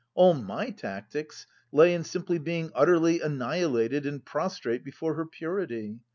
All my tactics lay in simply being utterly annihilated and prostrate before her purity.